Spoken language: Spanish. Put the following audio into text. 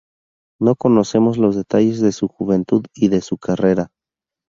No conocemos los detalles de su juventud y de su carrera.